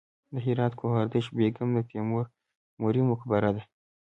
د هرات ګوهردش بیګم د تیموري مقبره ده